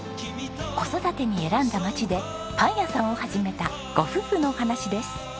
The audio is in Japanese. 子育てに選んだ町でパン屋さんを始めたご夫婦のお話です。